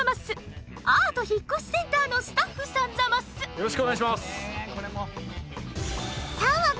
よろしくお願いします！